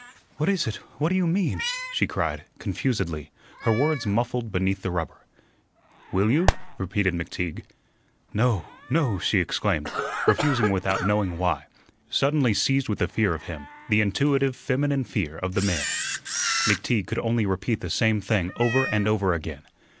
"What is it? What do you mean?" she cried, confusedly, her words muffled beneath the rubber. "Will you?" repeated McTeague. "No, no," she exclaimed, refusing without knowing why, suddenly seized with a fear of him, the intuitive feminine fear of the male. McTeague could only repeat the same thing over and over again.